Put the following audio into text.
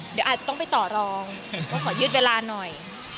เดี๋ยวอาจจะต้องไปต่อรองว่าขอยืดเวลาหน่อย